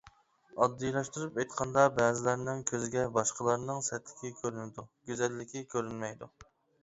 ئاددىيلاشتۇرۇپ ئېيتقاندا، بەزىلەرنىڭ كۆزىگە باشقىلارنىڭ سەتلىكى كۆرۈنىدۇ، گۈزەللىكى كۆرۈنمەيدۇ.